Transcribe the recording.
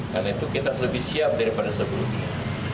karena itu kita lebih siap daripada sebelumnya